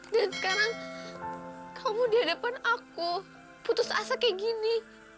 dan sekarang kamu di hadapan aku putus asa kayak gini